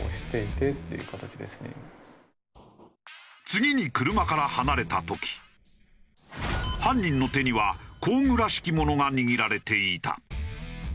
次に車から離れた時犯人の手には工具らしきものが握られていた。